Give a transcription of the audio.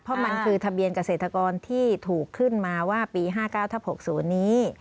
เพราะมันคือทะเบียนเกษตรกรที่ถูกขึ้นมาว่าปี๕๙ทับ๖๐นี้